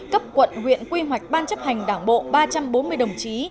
cấp quận huyện quy hoạch ban chấp hành đảng bộ ba trăm bốn mươi đồng chí